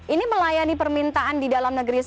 ini melayani permintaan di dalam negeri